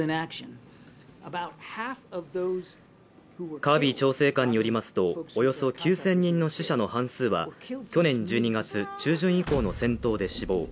カービー調整官によりますと、およそ９０００人の死者の半数は、去年１２月中旬以降の戦闘で死亡。